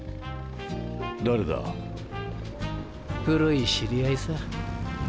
古い知り合いさ。